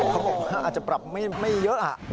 เขาบอกว่าอาจจะปรับไม่เยอะ